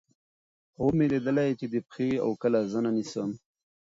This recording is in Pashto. خوب مې ليدلے چې دې پښې اؤ کله زنه نيسم